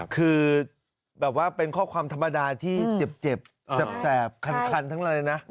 คือแบบว่าเป็นข้อความธรรมดาที่เจ็บแสบคันทั้งอะไรเลยนะ